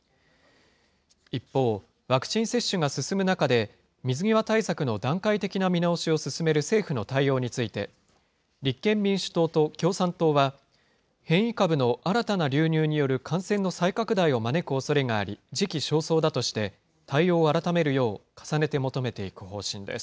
一方、ワクチン接種が進む中で、水際対策の段階的な見直しを進める政府の対応について、立憲民主党と共産党は、変異株の新たな流入による感染の再拡大を招くおそれがあり、時期尚早だとして、対応を改めるよう重ねて求めていく方針です。